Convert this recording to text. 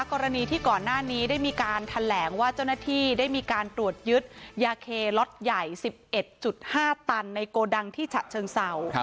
กรณีที่ก่อนหน้านี้ได้มีการแถลงว่าเจ้าหน้าที่ได้มีการตรวจยึดยาเคล็อตใหญ่๑๑๕ตันในโกดังที่ฉะเชิงเศร้า